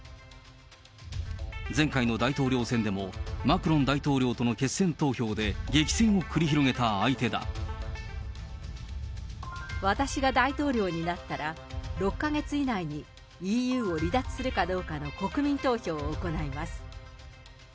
前回の大統領選でもマクロン大統領との決選投票で激戦を繰り広げ私が大統領になったら、６か月以内にＥＵを離脱するかどうかの国民投票を行います。